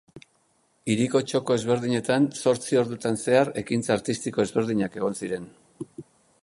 Hiriko txoko ezberdinetan, zortzi ordutan zehar ekintza artistiko ezberdinak egon ziren.